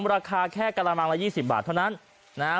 ราคาแค่กระมังละยี่สิบบาทเท่านั้นนะฮะ